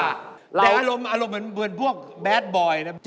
แต่อารมณ์เหมือนพวกแบดบอยนะ